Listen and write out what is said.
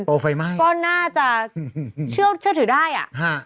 โปรไฟไหม้ก็น่าจะเชื่อถือได้อ่ะ